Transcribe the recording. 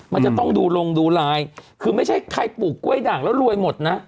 มันจะต้องดูลงดูไลน์คือไม่ใช่ใครปลูกกล้วยด่างแล้วรวยหมดนะ